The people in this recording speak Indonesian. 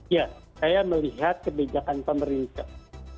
ya saya melihat kebijakan pemerintah